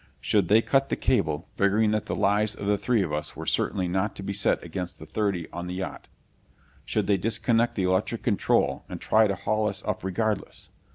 Should they cut the cable, figuring that the lives of the three of us were certainly not to be set against the thirty on the yacht? Should they disconnect the electric control and try to haul us up regardless?